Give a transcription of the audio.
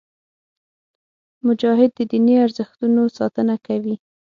مجاهد د دیني ارزښتونو ساتنه کوي.